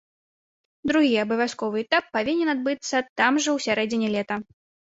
Другі абавязковы этап павінен адбыцца там жа ў сярэдзіне лета.